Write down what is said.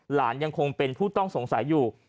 หลานยังคงเป็นผู้ต้องสงสัยอยู่